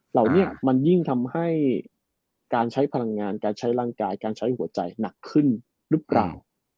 เหล่านี้มันยิ่งทำให้การใช้พลังงานการใช้ร่างกายการใช้หัวใจหนักขึ้นหรือเปล่า